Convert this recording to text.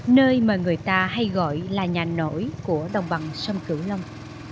nơi mà người ta hay gọi là nhà nổi của đồng bằng sông cửu long